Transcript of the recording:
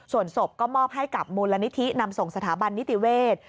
ส่วนศพก็มอบให้กับมูลนิธินำส่งสถาบันนิติเวศ